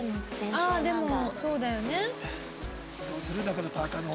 「ああでもそうだよね」